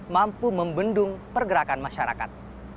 mampu membendung pergerakan masyarakat